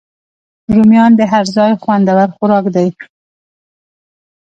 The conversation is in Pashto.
رومیان د هر ځای خوندور خوراک دی